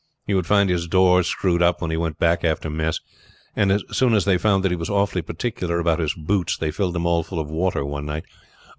He would find his door screwed up when he went back after mess; and as soon as they found that he was awfully particular about his boots, they filled them all full of water one night.